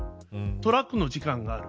トラックの時間がある。